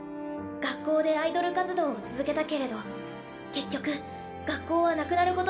「学校でアイドル活動を続けたけれど結局学校はなくなることになった。